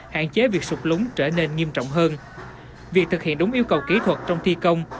hạn chế việc sụp lúng trở nên nghiêm trọng hơn việc thực hiện đúng yêu cầu kỹ thuật trong thi công